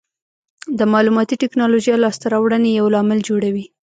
د معلوماتي ټکنالوژۍ لاسته راوړنې یو لامل جوړوي.